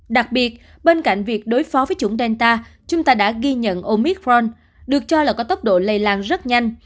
đặc biệt bên cạnh việc đối phó với chủng delta chúng ta đã ghi nhận omithron được cho là có tốc độ lây lan rất nhanh